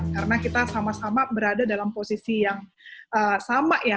karena kita sama sama berada dalam posisi yang sama ya